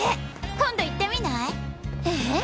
今度行ってみない？え？